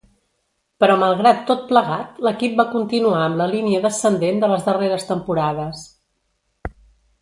Però malgrat tot plegat l'equip va continuar amb la línia descendent de les darreres temporades.